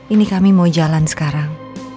ini kami mau jalan sekarang